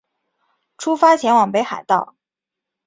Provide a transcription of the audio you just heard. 出发前往北海道